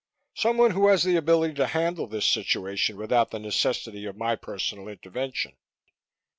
Someone who has the ability to handle this situation without the necessity of my personal intervention."